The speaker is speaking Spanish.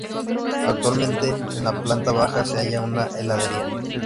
Actualmente en la planta baja se halla una heladería.